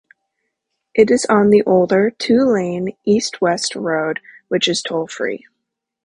It is on the older, two-lane, east-west road which is toll-free.